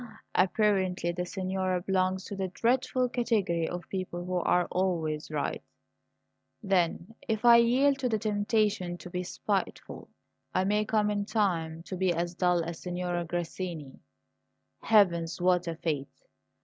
"Apparently the signora belongs to the dreadful category of people who are always right! Then if I yield to the temptation to be spiteful, I may come in time to be as dull as Signora Grassini? Heavens, what a fate!